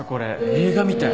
映画みたい。